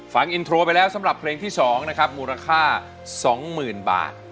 ฟังอินโทรไปแล้วสำหรับเพลงที่๒นะครับมูลค่า๒๐๐๐บาท